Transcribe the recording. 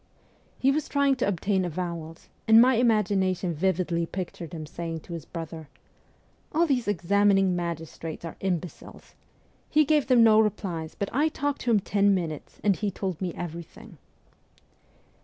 He was trying to obtain avowals, and my imagination vividly pictured him saying to his brother :' All these examining magistrates are imbeciles. He gave them no replies, but I talked to him ten minutes, and he told me everything.'